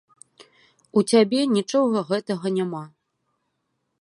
У цябе нічога гэтага няма.